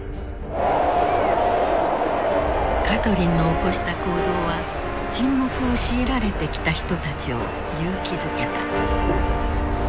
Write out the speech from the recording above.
カトリンの起こした行動は沈黙を強いられてきた人たちを勇気づけた。